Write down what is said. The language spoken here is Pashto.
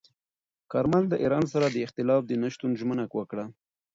کارمل د ایران سره د اختلاف د نه شتون ژمنه وکړه.